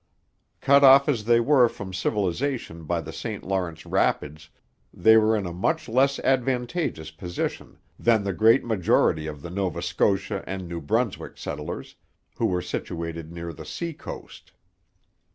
Cut off as they were from civilization by the St Lawrence rapids, they were in a much less advantageous position than the great majority of the Nova Scotia and New Brunswick settlers, who were situated near the sea coast.